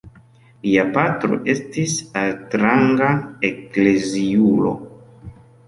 Lia patro estis altranga ekleziulo.